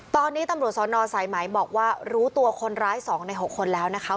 ตอนนี้ตำรวจสนสายไหมบอกว่ารู้ตัวคนร้าย๒ใน๖คนแล้วนะคะ